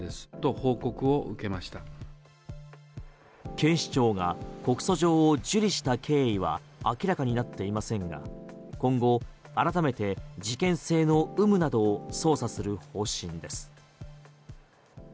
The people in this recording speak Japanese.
警視庁が告訴状を受理した経緯は明らかになっていませんが今後改めて事件性の有無などを捜査する方針です。